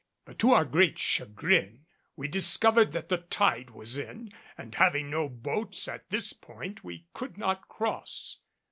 But to our great chagrin we discovered that the tide was in, and having no boats at this point we could not cross.